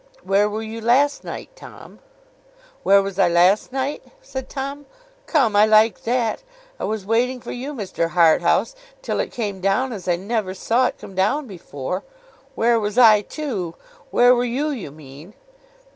'Where were you last night, Tom?' 'Where was I last night!' said Tom. 'Come! I like that. I was waiting for you, Mr. Harthouse, till it came down as I never saw it come down before. Where was I too! Where were you, you mean.